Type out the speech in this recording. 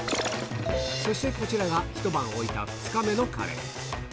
そしてこちらが、一晩置いた２日目のカレー。